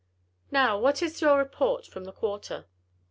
Now what is your report from the quarter."